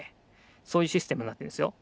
そういうシステムになってるんですよ。